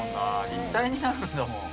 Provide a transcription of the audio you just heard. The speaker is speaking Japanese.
立体になるんだもん。